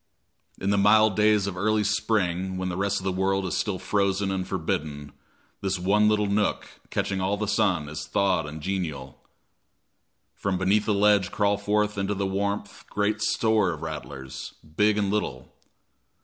In the mild days of early spring, when the rest of the world is still frozen and forbidden, this one little nook, catching all the sun, is thawed and genial. From beneath the ledge crawl forth into the warmth great store of rattlers, big and little.